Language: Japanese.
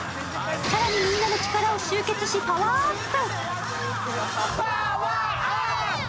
更にみんなの力を集結しパワーアップ。